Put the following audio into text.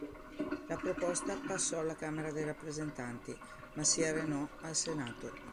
La proposta passò alla Camera dei Rappresentanti, ma si arenò al Senato.